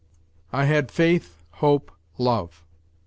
I had faith, hope, love.